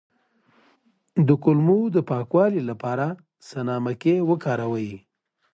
د کولمو د پاکوالي لپاره سنا مکی وکاروئ